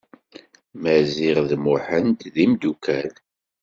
Maziɣ d Muḥend d imdukkal.